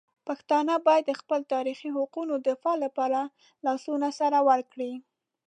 پښتانه باید د خپل تاریخي حقونو دفاع لپاره لاسونه سره ورکړي.